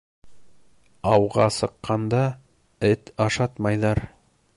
Ауға сыҡҡанда эт ашатмайҙар.